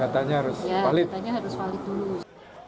katanya harus valid dulu